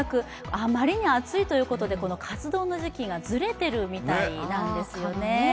あまりに暑いということで、活動の時期がずれてるみたいなんですよね。